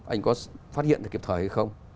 anh có phát hiện được kịp thời hay không